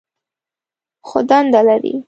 خو دنده لري.